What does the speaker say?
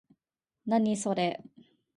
何、それ？